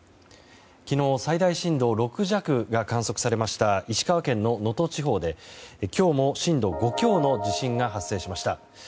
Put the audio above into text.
昨日、最大震度６弱が観測されました石川県の能登地方で今日も震度５強の地震が発生しました。